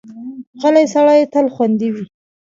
غلی سړی تل خوندي وي.